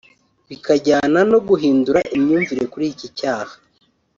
bikajyana no guhindura imyumvire kuri iki cyaha